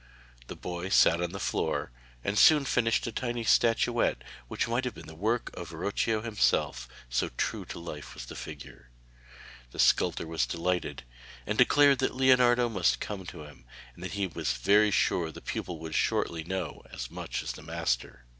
The boy sat down on the floor, and soon finished a tiny statuette which might have been the work of Verrocchio himself, so true to life was the figure. The sculptor was delighted, and declared that Leonardo must come to him, and that he was very sure the pupil would shortly know as much as the master.